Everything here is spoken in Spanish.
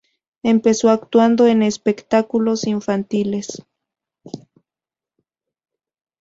Empezó actuando en espectáculos infantiles.